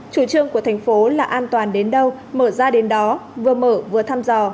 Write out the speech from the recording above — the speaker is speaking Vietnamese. chủ trương của thành phố là an toàn đến đâu mở ra đến đó vừa mở vừa thăm dò